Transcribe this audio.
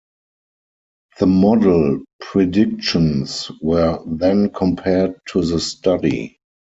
The model predictions were then compared to the study.